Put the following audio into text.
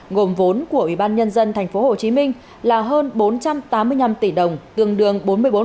gồm vốn của ủy ban nhân dân tp hcm là hơn bốn trăm tám mươi năm tỷ đồng tương đương bốn mươi bốn